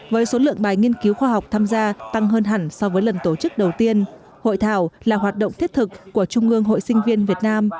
với số lượng bài nghiên cứu khoa học tham gia tăng hơn hẳn so với lần tổ chức đầu tiên hội thảo là hoạt động thiết thực của trung ương hội sinh viên việt nam